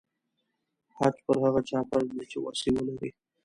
حج پر هغه چا فرض دی چې وسه یې ولري.